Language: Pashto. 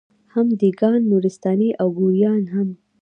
هم دېګان، نورستاني او ګوریان هم